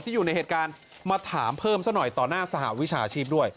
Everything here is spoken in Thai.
อยู่ในเหตุการณ์มาถามเพิ่มซะหน่อยต่อหน้าสหวิชาชีพด้วย